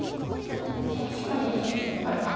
ここはしっかり生きとくのが。